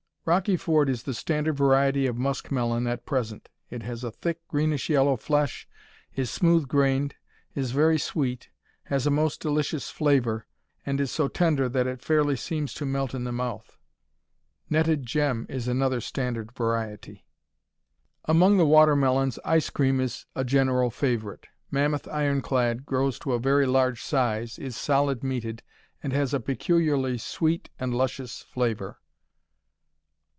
Rocky Ford is the standard variety of muskmelon at present. It has a thick greenish yellow flesh, is smooth grained, is very sweet, has a most delicious flavor, and is so tender that it fairly seems to melt in the mouth. Netted Gem is another standard variety. Among the watermelons Ice Cream is a general favorite. Mammoth Ironclad grows to a very large size, is solid meated, and has a peculiarly sweet and luscious flavor.